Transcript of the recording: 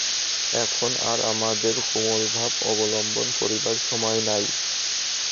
এখন আর আমাদের কোমলভাব অবলম্বন করিবার সময় নাই।